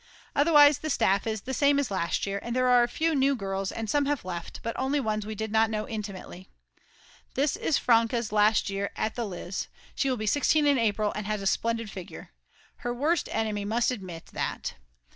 Otherwise the staff is the same as last year, and there are a few new girls and some have left, but only ones we did not know intimately. This is Franke's last year at the Lyz., she will be 16 in April and has a splendid figure. Her worst enemy must admit that.